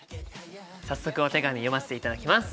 早速お手紙読ませていただきます！